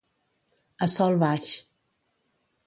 A sol baix.